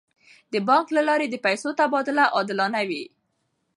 د بانک له لارې د پیسو تبادله عادلانه وي.